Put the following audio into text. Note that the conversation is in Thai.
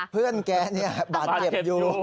เพื่อนแกเนี่ยบาดเจ็บอยู่